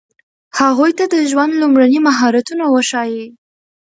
هغوی ته د ژوند لومړني مهارتونه وښایئ.